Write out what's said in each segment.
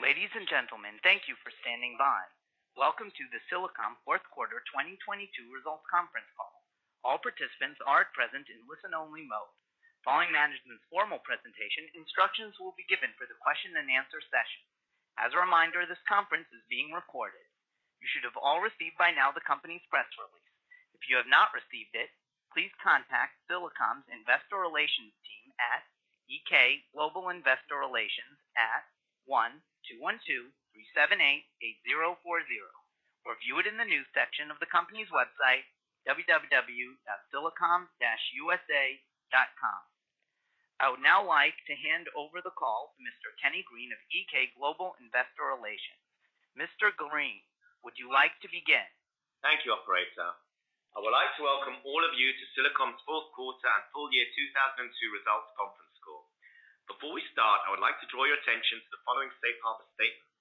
Ladies and gentlemen, thank you for standing by. Welcome to the Silicom fourth quarter 2022 results conference call. All participants are at present in listen only mode. Following management's formal presentation, instructions will be given for the question and answer session. As a reminder, this conference is being recorded. You should have all received by now the company's press release. If you have not received it, please contact Silicom's investor relations team at GK Global Investor Relations at 1-212-378-8040, or view it in the news section of the company's website, www.silicom-usa.com. I would now like to hand over the call to Mr. Kenny Green of GK Global Investor Relations. Mr. Green, would you like to begin? Thank you, operator. I would like to welcome all of you to Silicom's fourth quarter and full year 2002 results conference call. Before we start, I would like to draw your attention to the following safe harbor statements.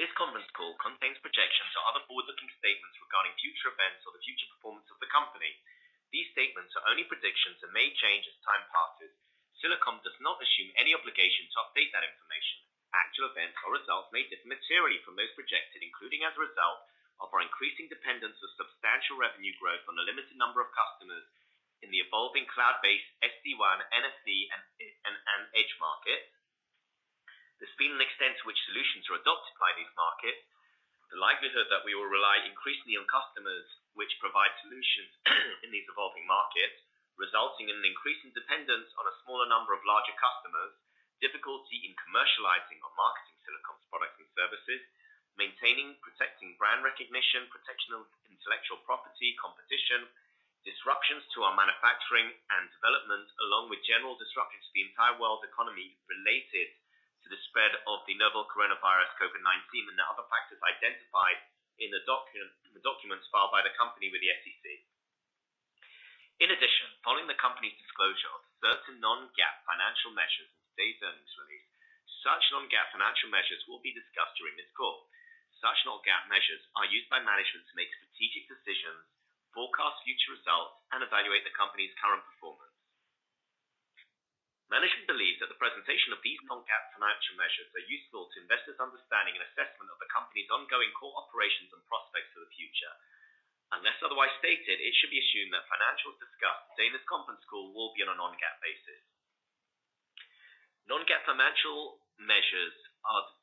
This conference call contains projections or other forward-looking statements regarding future events or the future performance of the company. These statements are only predictions and may change as time passes. Silicom does not assume any obligation to update that information. Actual events or results may differ materially from those projected, including as a result of our increasing dependence of substantial revenue growth on a limited number of customers in the evolving cloud-based SD-WAN, SFC, and Edge market. The speed and extent to which solutions are adopted by these markets. The likelihood that we will rely increasingly on customers which provide solutions in these evolving markets, resulting in an increasing dependence on a smaller number of larger customers. Difficulty in commercializing or marketing Silicom's products and services. Maintaining protecting brand recognition, protection of intellectual property, competition, disruptions to our manufacturing and development, along with general disruptions to the entire world's economy related to the spread of the novel coronavirus COVID-19, and the other factors identified in the documents filed by the company with the SEC. Following the company's disclosure of certain non-GAAP financial measures in today's earnings release, such non-GAAP financial measures will be discussed during this call. Such non-GAAP measures are used by management to make strategic decisions, forecast future results, and evaluate the company's current performance. Management believes that the presentation of these non-GAAP financial measures are useful to investors' understanding and assessment of the company's ongoing core operations and prospects for the future. Unless otherwise stated, it should be assumed that financials discussed during this conference call will be on a non-GAAP basis. Non-GAAP financial measures are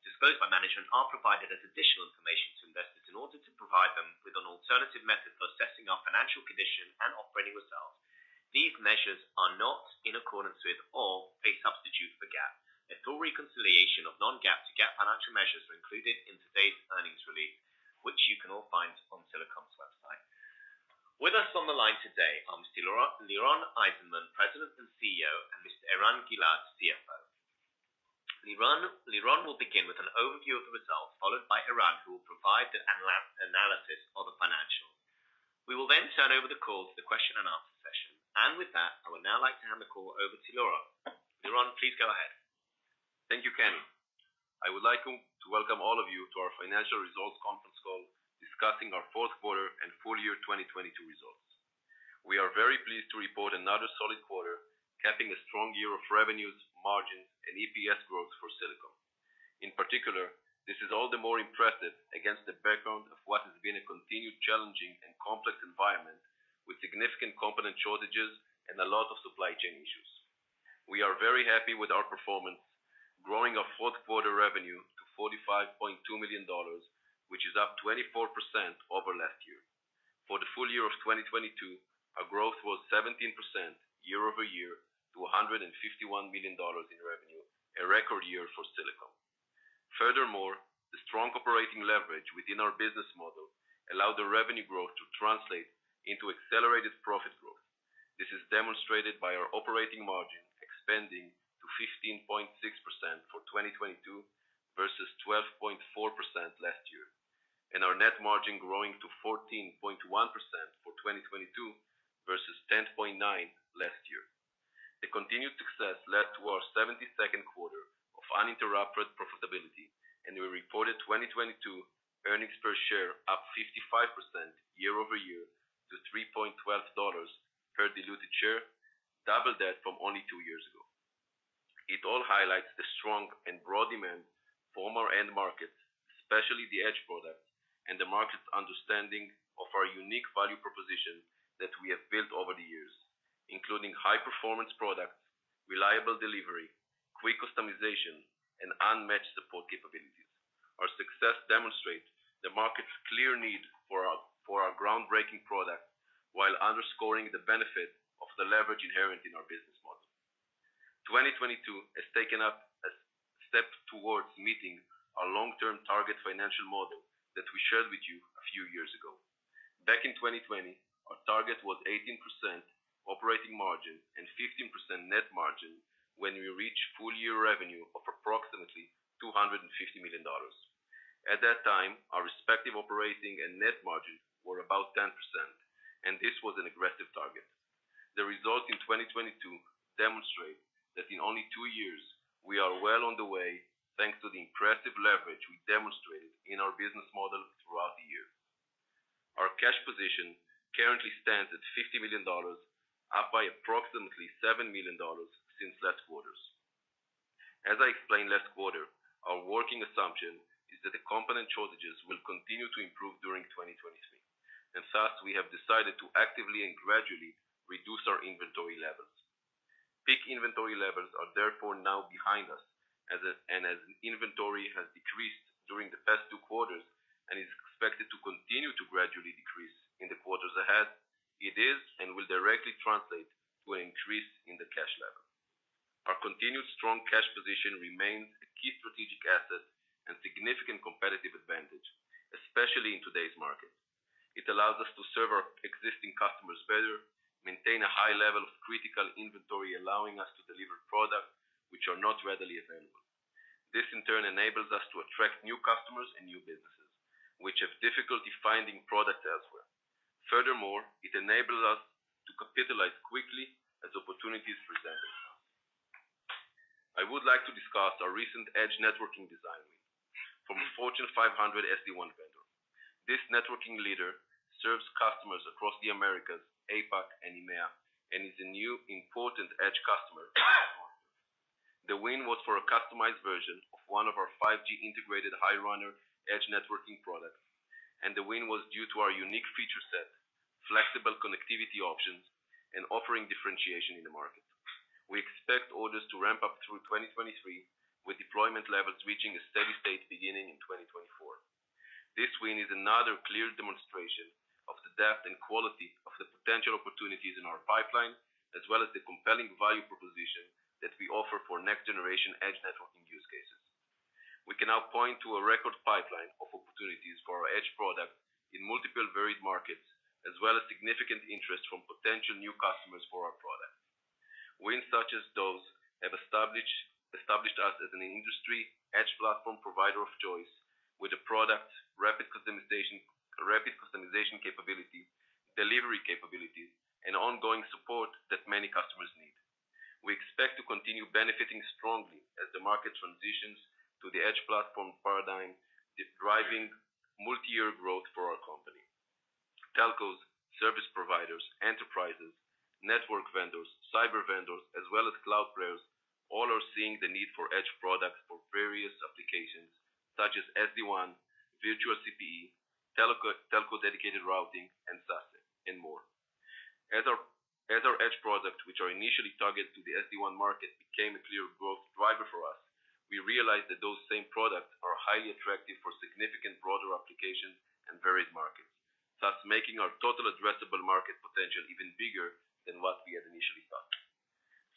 disclosed by management are provided as additional information to investors in order to provide them with an alternative method for assessing our financial condition and operating results. These measures are not in accordance with or a substitute for GAAP. A full reconciliation of non-GAAP to GAAP financial measures are included in today's earnings release, which you can all find on Silicom's website. With us on the line today are Mr. Liron Eizenman, President and CEO, and Mr. Eran Gilad, CFO. Liron will begin with an overview of the results, followed by Eran, who will provide the analysis of the financials. We will turn over the call to the question and answer session. With that, I would now like to hand the call over to Liron. Liron, please go ahead. Thank you, Kenny. I would like to welcome all of you to our financial results conference call discussing our fourth quarter and full year 2022 results. We are very pleased to report another solid quarter, capping a strong year of revenues, margins, and EPS growth for Silicom. In particular, this is all the more impressive against the background of what has been a continued challenging and complex environment with significant component shortages and a lot of supply chain issues. We are very happy with our performance, growing our fourth quarter revenue to $45.2 million, which is up 24% over last year. For the full year of 2022, our growth was 17% year-over-year to $151 million in revenue, a record year for Silicom. Furthermore, the strong operating leverage within our business model allowed the revenue growth to translate into accelerated profit growth. This is demonstrated by our operating margin expanding to 15.6% for 2022 versus 12.4% last year. Our net margin growing to 14.1% for 2022 versus 10.9% last year. The continued success led to our 72nd quarter of uninterrupted profitability, and we reported 2022 earnings per share up 55% year-over-year to $3.12 per diluted share, double that from only two years ago. It all highlights the strong and broad demand for our end markets, especially the Edge products, and the market's understanding of our unique value proposition that we have built over the years, including high performance products, reliable delivery, quick customization, and unmatched support capabilities. Our success demonstrates the market's clear need for our groundbreaking product while underscoring the benefit of the leverage inherent in our business model. 2022 has taken a step towards meeting our long-term target financial model that we shared with you a few years ago. Back in 2020, our target was 18% operating margin and 15% net margin when we reach full year revenue of approximately $250 million. At that time, our respective operating and net margins were about 10%, and this was an aggressive target. The results in 2022 demonstrate that in only two years we are well on the way thanks to the impressive leverage we demonstrated in our business model. Our cash position currently stands at $50 million, up by approximately $7 million since last quarters. As I explained last quarter, our working assumption is that the component shortages will continue to improve during 2023. Thus, we have decided to actively and gradually reduce our inventory levels. Peak inventory levels are therefore now behind us and as inventory has decreased during the past two quarters and is expected to continue to gradually decrease in the quarters ahead, it is and will directly translate to an increase in the cash level. Our continued strong cash position remains a key strategic asset and significant competitive advantage, especially in today's market. It allows us to serve our existing customers better, maintain a high level of critical inventory, allowing us to deliver products which are not readily available. This, in turn, enables us to attract new customers and new businesses, which have difficulty finding product elsewhere. Furthermore, it enables us to capitalize quickly as opportunities present themselves. I would like to discuss our recent Edge networking design win from a Fortune 500 SD-WAN vendor. This networking leader serves customers across the Americas, APAC, and EMEA, and is a new important Edge customer for us. The win was for a customized version of one of our 5G integrated High Runner Edge networking products, and the win was due to our unique feature set, flexible connectivity options, and offering differentiation in the market. We expect orders to ramp up through 2023, with deployment levels reaching a steady state beginning in 2024. This win is another clear demonstration of the depth and quality of the potential opportunities in our pipeline, as well as the compelling value proposition that we offer for next-generation Edge networking use cases. We can now point to a record pipeline of opportunities for our Edge product in multiple varied markets, as well as significant interest from potential new customers for our product. Wins such as those have established us as an industry Edge platform provider of choice with the product rapid customization capabilities, delivery capabilities, and ongoing support that many customers need. We expect to continue benefiting strongly as the market transitions to the Edge platform paradigm, driving multi-year growth for our company. Telcos, service providers, enterprises, network vendors, cyber vendors, as well as cloud players all are seeing the need for Edge products for various applications such as SD-WAN, virtual CPE, telco-dedicated routing, and SaaS, and more. As our Edge products, which are initially targeted to the SD-WAN market, became a clear growth driver for us, we realized that those same products are highly attractive for significant broader applications and varied markets, thus making our total addressable market potential even bigger than what we had initially thought.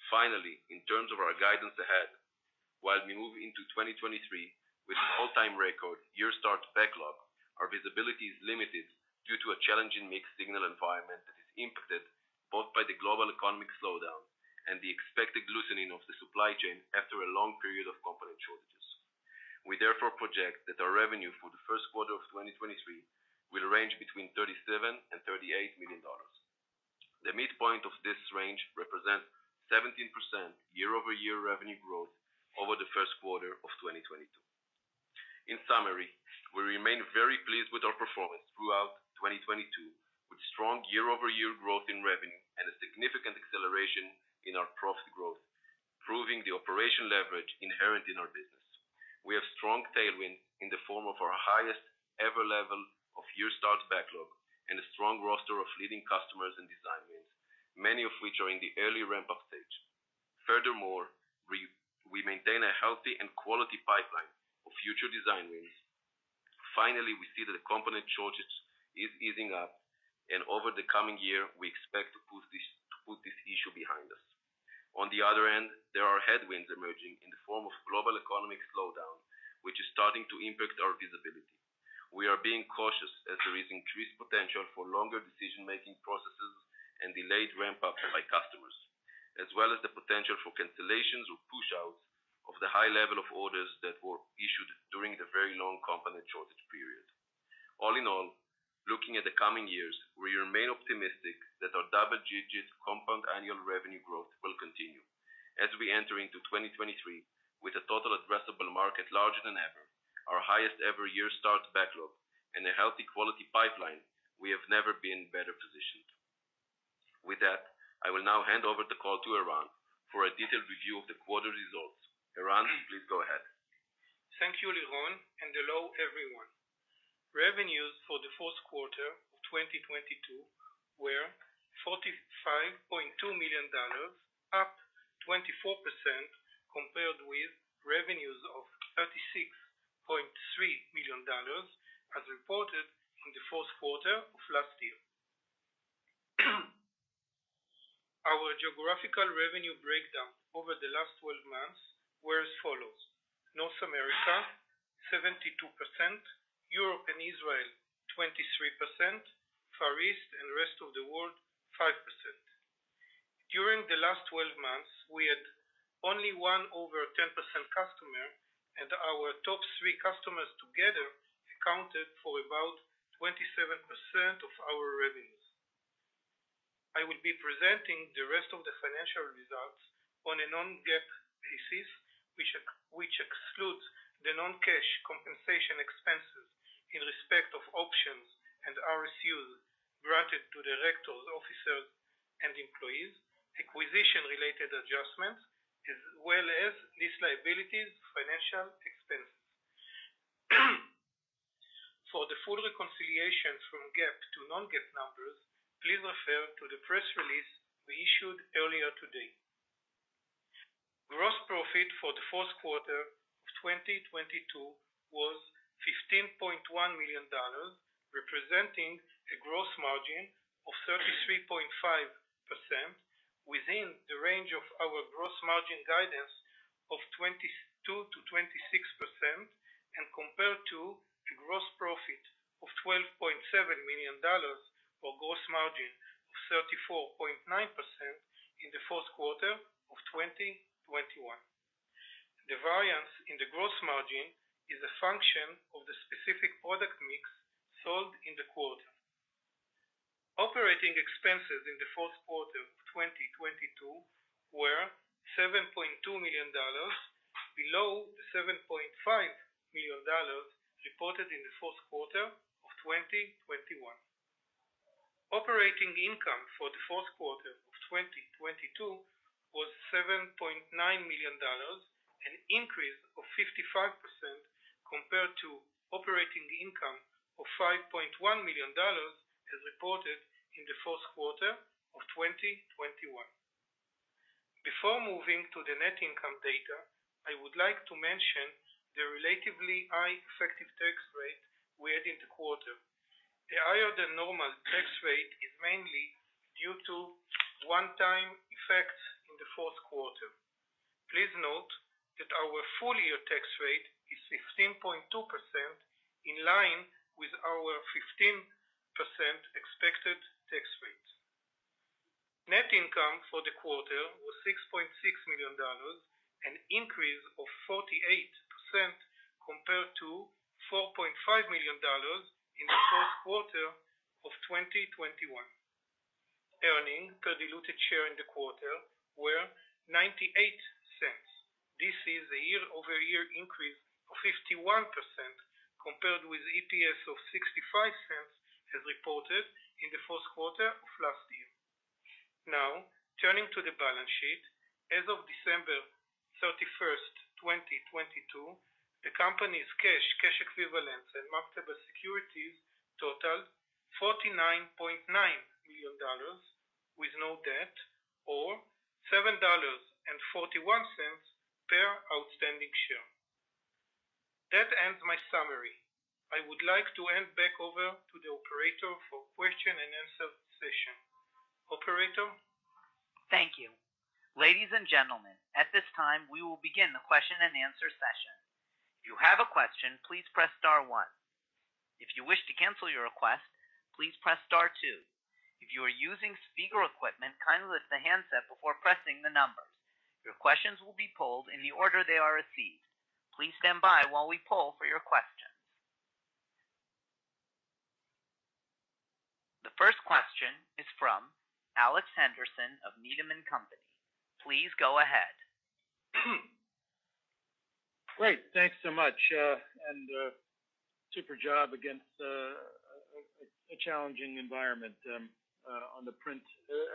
Finally, in terms of our guidance ahead, while we move into 2023 with an all-time record year-start backlog, our visibility is limited due to a challenging mixed signal environment that is impacted both by the global economic slowdown and the expected loosening of the supply chain after a long period of component shortages. We therefore project that our revenue for the first quarter of 2023 will range between $37 million-$38 million. The midpoint of this range represents 17% year-over-year revenue growth over the first quarter of 2022. In summary, we remain very pleased with our performance throughout 2022, with strong year-over-year growth in revenue and a significant acceleration in our profit growth, proving the operation leverage inherent in our business. We have strong tailwind in the form of our highest ever level of year-start backlog and a strong roster of leading customers and design wins, many of which are in the early ramp-up stage. We maintain a healthy and quality pipeline of future design wins. We see that the component shortage is easing up, and over the coming year, we expect to put this issue behind us. On the other end, there are headwinds emerging in the form of global economic slowdown, which is starting to impact our visibility. We are being cautious as there is increased potential for longer decision-making processes and delayed ramp-ups by customers, as well as the potential for cancellations or pushouts of the high level of orders that were issued during the very long component shortage period. All in all, looking at the coming years, we remain optimistic that our double-digit compound annual revenue growth will continue. As we enter into 2023 with a total addressable market larger than ever, our highest ever year-start backlog, and a healthy quality pipeline, we have never been better positioned. With that, I will now hand over the call to Eran for a detailed review of the quarter results. Eran, please go ahead. Thank you, Liron, and hello, everyone. Revenues for the fourth quarter of 2022 were $45.2 million, up 24% compared with revenues of $36.3 million as reported in the fourth quarter of last year. Our geographical revenue breakdown over the last 12 months were as follows: North America 72%, Europe and Israel 23%, Far East and rest of the world 5%. During the last 12 months, we had only one over 10% customer, and our top three customers together accounted for about 27% of our. Presenting the rest of the financial results on a non-GAAP basis, which excludes the non-cash compensation expenses in respect of options and RSUs granted to directors, officers, and employees, acquisition-related adjustments, as well as lease liabilities financial expenses. For the full reconciliations from GAAP to non-GAAP numbers, please refer to the press release we issued earlier today. Gross profit for the fourth quarter of 2022 was $15.1 million, representing a gross margin of 33.5% within the range of our gross margin guidance of 22%-26%, and compared to the gross profit of $12.7 million or gross margin of 34.9% in the fourth quarter of 2021. The variance in the gross margin is a function of the specific product mix sold in the quarter. Operating expenses in the fourth quarter of 2022 were $7.2 million, below the $7.5 million reported in the fourth quarter of 2021. Operating income for the fourth quarter of 2022 was $7.9 million, an increase of 55% compared to operating income of $5.1 million as reported in the fourth quarter of 2021. Before moving to the net income data, I would like to mention the relatively high effective tax rate we had in the quarter. The higher than normal tax rate is mainly due to one-time effects in the fourth quarter. Please note that our full-year tax rate is 15.2%, in line with our 15% expected tax rate. Net income for the quarter was $6.6 million, an increase of 48% compared to $4.5 million in the first quarter of 2021. Earning per diluted share in the quarter were $0.98. This is a year-over-year increase of 51% compared with EPS of $0.65 as reported in the fourth quarter of last year. Turning to the balance sheet. As of December 31st, 2022, the company's cash equivalents, and marketable securities totaled $49.9 million with no debt, or $7.41 per outstanding share. That ends my summary. I would like to hand back over to the operator for question and answer session. Operator? Thank you. Ladies and gentlemen, at this time, we will begin the question-and-answer session. If you have a question, please press star one. If you wish to cancel your request, please press star two. If you are using speaker equipment, kindly lift the handset before pressing the numbers. Your questions will be polled in the order they are received. Please stand by while we poll for your questions. The first question is from Alex Henderson of Needham & Company. Please go ahead. Great. Thanks so much, and super job against a challenging environment on the print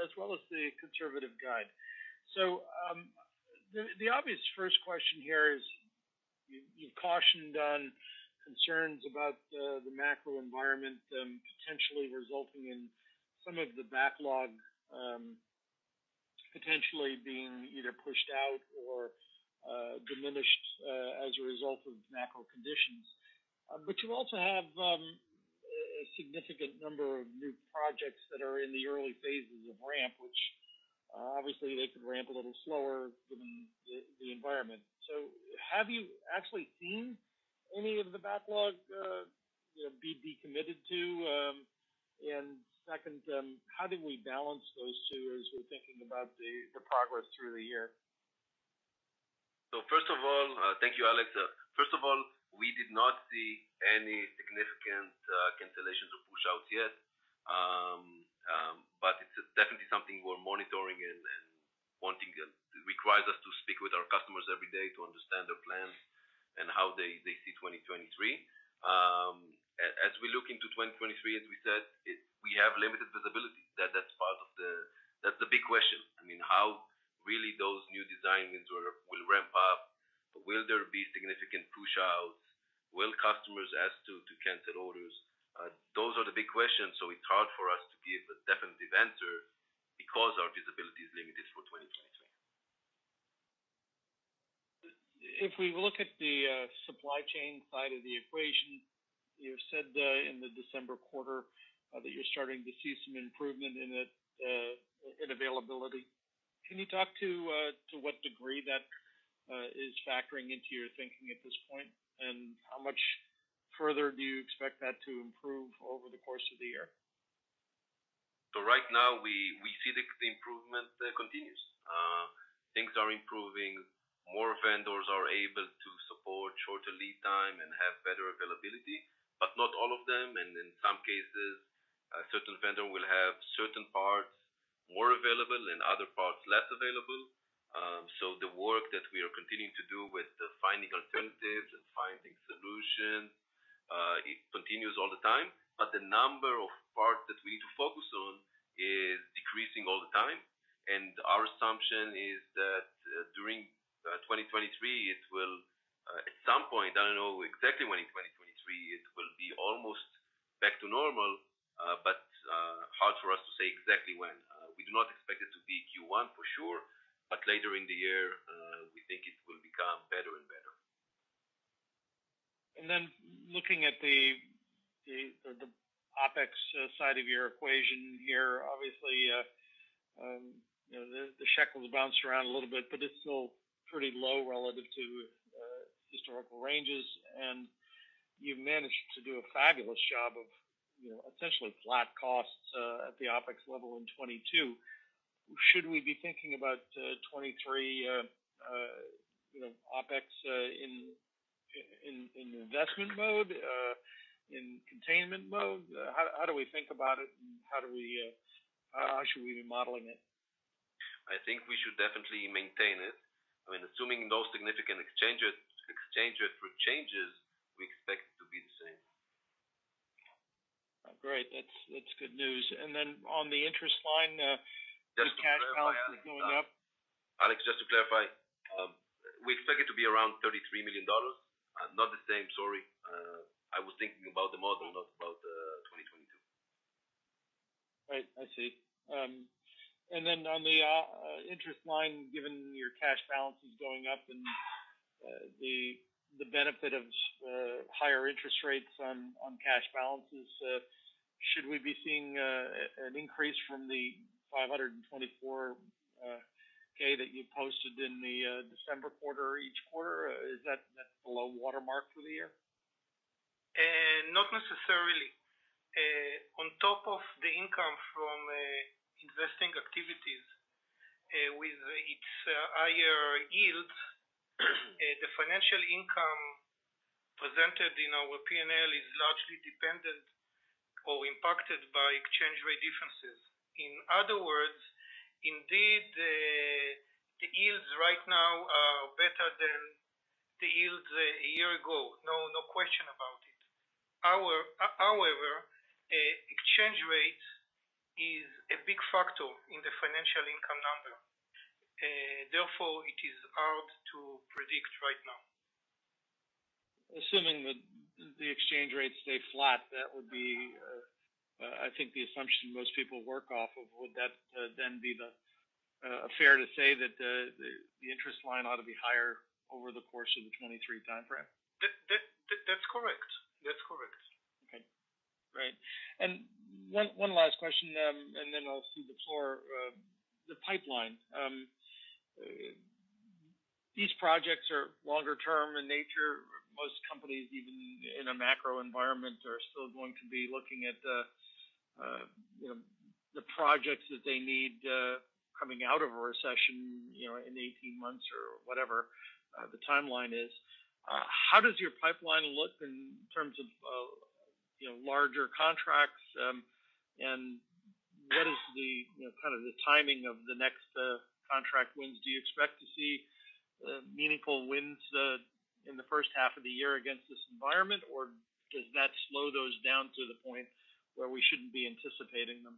as well as the conservative guide. The obvious first question here is, you cautioned on concerns about the macro environment, potentially resulting in some of the backlog, potentially being either pushed out or diminished as a result of macro conditions. You also have a significant number of new projects that are in the early phases of ramp, which obviously they could ramp a little slower given the environment. Have you actually seen any of the backlog, you know, be committed to? Second, how do we balance those two as we're thinking about the progress through the year? First of all, thank you, Alex. First of all, we did not see any significant cancellations or push-outs yet. It's definitely something we're monitoring and wanting and requires us to speak with our customers every day to understand their plans and how they see 2023. As we look into 2023, as we said, we have limited visibility. That's the big question. I mean, how really those new designs or will ramp up? Will there be significant push-outs? Will customers ask to cancel orders? Those are the big questions, it's hard for us to give a definitive answer because our visibility is limited for 2023. If we look at the supply chain side of the equation, you said in the December quarter that you're starting to see some improvement in it, in availability. Can you talk to to what degree that is factoring into your thinking at this point? How much further do you expect that to improve over the course of the year? right now we see the improvement- Things are improving. More vendors are able to support shorter lead time and have better availability, but not all of them. In some cases, a certain vendor will have certain parts more available and other parts less available. The work that we are continuing to do with finding alternatives and finding solutions, it continues all the time, but the number of parts that we need to focus on is decreasing all the time. Our assumption is that during 2023, it will at some point, I don't know exactly when in 2023, it will be almost back to normal. Hard for us to say exactly when. We do not expect it to be Q1 for sure, but later in the year, we think it will become better and better. Then looking at the OpEx side of your equation here, obviously, you know, the shekel's bounced around a little bit, but it's still pretty low relative to historical ranges. You've managed to do a fabulous job of, you know, essentially flat costs at the OpEx level in 2022. Should we be thinking about 2023, you know, OpEx in investment mode, in containment mode? How do we think about it and how should we be modeling it? I think we should definitely maintain it. I mean, assuming no significant exchanges for changes, we expect to be the same. Great. That's good news. Then on the interest line, the cash balance is going up. Alex, just to clarify, we expect it to be around $33 million. Not the same, sorry. I was thinking about the model, not about 2022. Right. I see. Then on the interest line, given your cash balance is going up and the benefit of higher interest rates on cash balances, should we be seeing an increase from the $524K that you posted in the December quarter each quarter? Is that below watermark for the year? Not necessarily. On top of the income from investing activities, with its higher yields, the financial income presented in our P&L is largely dependent or impacted by exchange rate differences. In other words, indeed, the yields right now are better than the yields a year ago. No question about it. However, exchange rate is a big factor in the financial income number, therefore it is hard to predict right now. Assuming that the exchange rates stay flat, that would be, I think the assumption most people work off of. Would that then be the fair to say that the interest line ought to be higher over the course of the 23 timeframe? That's correct. That's correct. Okay. Great. One last question, then I'll cede the floor. The pipeline. These projects are longer term in nature. Most companies, even in a macro environment, are still going to be looking at, you know, the projects that they need, coming out of a recession, you know, in 18 months or whatever, the timeline is. How does your pipeline look in terms of, you know, larger contracts, what is the, you know, kind of the timing of the next contract wins? Do you expect to see meaningful wins in the first half of the year against this environment, or does that slow those down to the point where we shouldn't be anticipating them?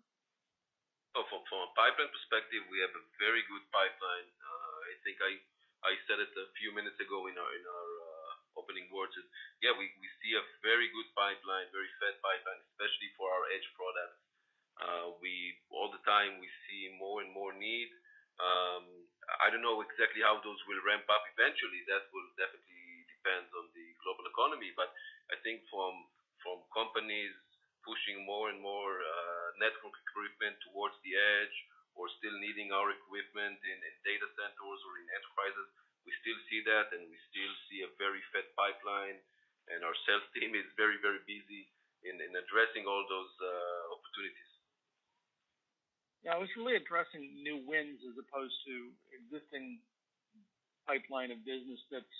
From a pipeline perspective, we have a very good pipeline. I think I said it a few minutes ago in our opening words is, yeah, we see a very good pipeline, very fit pipeline, especially for our Edge products. All the time, we see more and more need. I don't know exactly how those will ramp up eventually. That will definitely depends on the global economy. I think from companies pushing more and more network equipment towards the Edge or still needing our equipment in data centers or in enterprises, we still see that, and we still see a very fit pipeline, and our sales team is very, very busy in addressing all those opportunities. I was really addressing new wins as opposed to existing pipeline of business that's,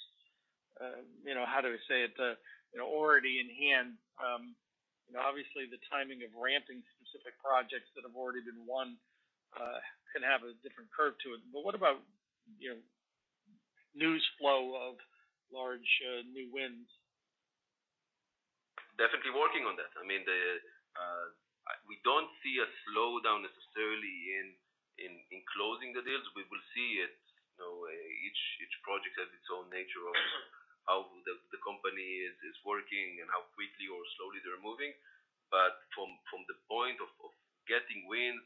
you know, how do I say it, you know, already in hand. You know, obviously, the timing of ramping specific projects that have already been won, can have a different curve to it. What about, you know, news flow of large, new wins? Definitely working on that. I mean, we don't see a slowdown necessarily in closing the deals. We will see it, you know, each project has its own nature of how the company is working and how quickly or slowly they're moving. From the point of getting wins,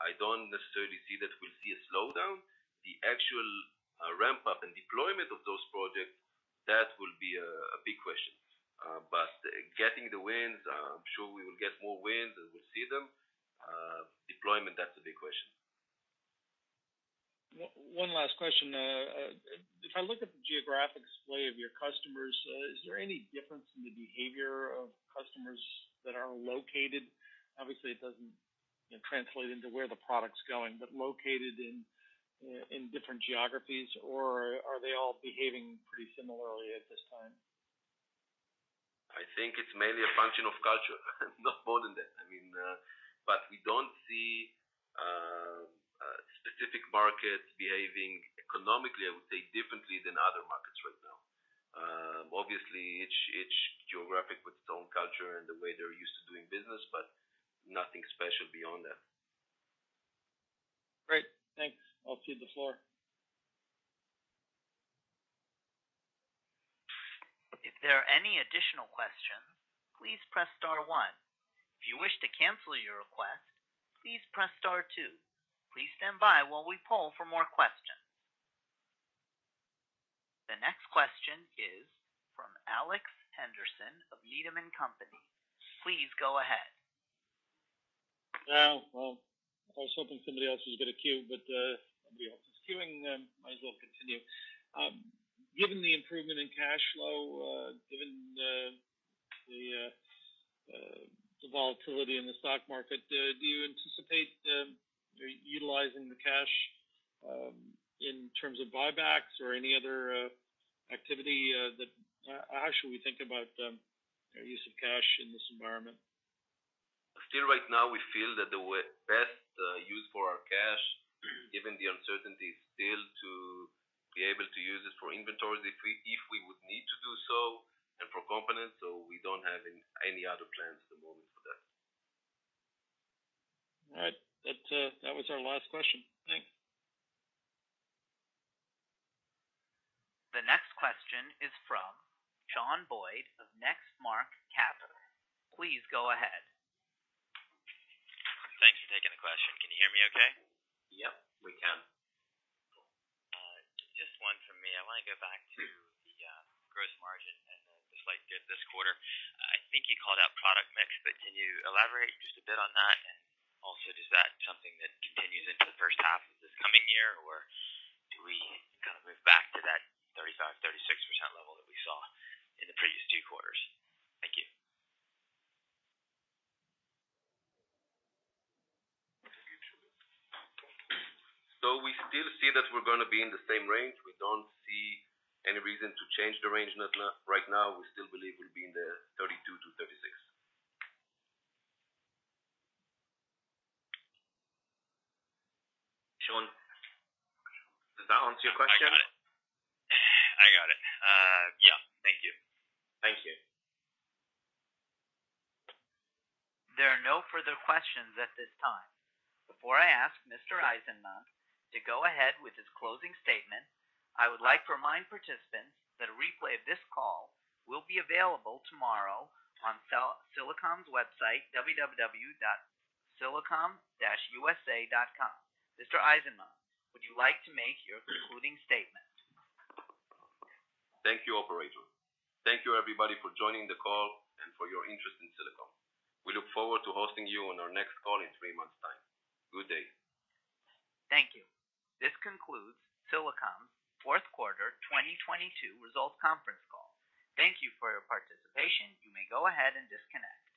I don't necessarily see that we'll see a slowdown. The actual ramp-up and deployment of those projects, that will be a big question. Getting the wins, I'm sure we will get more wins, and we'll see them. Deployment, that's the big question. One last question, Way of your customers. Is there any difference in the behavior of customers that are located? Obviously, it doesn't translate into where the product's going, but located in different geographies or are they all behaving pretty similarly at this time? I think it's mainly a function of culture, not more than that. I mean, we don't see, specific markets behaving economically, I would say, differently than other markets right now. Obviously, each geographic with its own culture and the way they're used to doing business, but nothing special beyond that. Great. Thanks. I'll cede the floor. If there are any additional questions, please press star one. If you wish to cancel your request, please press star two. Please stand by while we poll for more questions. The next question is from Alex Henderson of Needham & Company. Please go ahead. Well, I was hoping somebody else was gonna queue, but nobody else is queuing, then might as well continue. Given the improvement in cash flow, given the volatility in the stock market, do you anticipate utilizing the cash in terms of buybacks or any other activity? How should we think about use of cash in this environment? Still right now, we feel that the best use for our cash, given the uncertainty, is still to be able to use it for inventory if we would need to do so and for components. We don't have any other plans at the moment for that. All right. That was our last question. Thanks. The next question is from Shawn Boyd of Next Mark Capital. Please go ahead. Thank you. Taking the question. Can you hear me okay? Yep, we can. Cool. Just one from me. I want to go back to the gross margin and the slight dip this quarter. I think you called out product mix, but can you elaborate just a bit on that? Also, does that something that continues into the first half of this coming year, or do we kind of move back to that 35%-36% level that we saw in the previous two quarters? Thank you. We still see that we're gonna be in the same range. We don't see any reason to change the range right now. We still believe we'll be in the 32-36. Shawn, does that answer your question? I got it. I got it. Yeah. Thank you. Thank you. There are no further questions at this time. Before I ask Mr. Eizenman to go ahead with his closing statement, I would like to remind participants that a replay of this call will be available tomorrow on Silicom's website, www.silicom-usa.com. Mr. Eizenman, would you like to make your concluding statement? Thank you, operator. Thank you everybody for joining the call and for your interest in Silicom. We look forward to hosting you on our next call in three months' time. Good day. Thank you. This concludes Silicom's fourth quarter 2022 results conference call. Thank you for your participation. You may go ahead and disconnect.